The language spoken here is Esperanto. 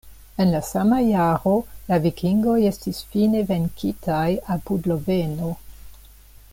En la sama jaro, la vikingoj estis fine venkitaj apud Loveno.